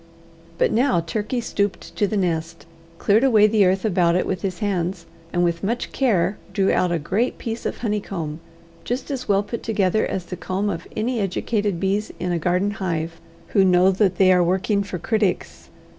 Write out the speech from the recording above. But now Turkey stooped to the nest, cleared away the earth about it with his hands, and with much care drew out a great piece of honeycomb, just as well put together as the comb of any educated bees in a garden hive, who know that they are working for critics.